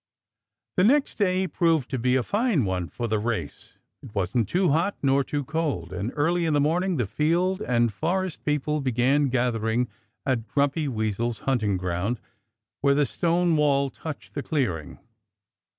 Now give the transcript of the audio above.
The next day proved to be a fine one for the race. It wasn't too hot nor too cold; and early in the morning the field and forest people began gathering at Grumpy Weasel's hunting ground, where the stone wall touched the clearing.